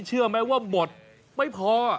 เชื่อไหมว่าหมดไม่พอ